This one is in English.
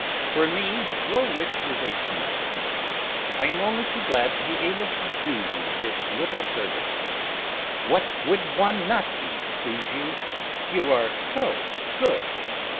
For me, your wish is a command. I am only too glad to be able to do you this little service. What would one not do to please you, you are so good."